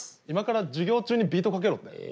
「今から授業中にビートかけろ」って？